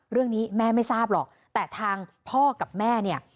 เรื่องนี้แม่ไม่ทราบหรอกแต่ทางพ่อกับแม่เนี่ย